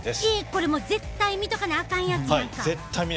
これも絶対見とかなあかんやつやんか。